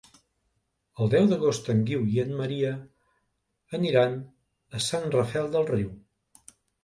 El deu d'agost en Guiu i en Maria aniran a Sant Rafel del Riu.